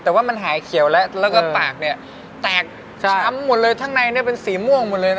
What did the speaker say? แต่ว่ามันหายเขียวแล้วแล้วก็ปากแตกช้ำหมดเลยทั้งในเป็นสีม่วงหมดเลย